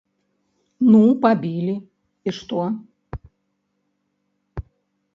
Ну пабілі, і што?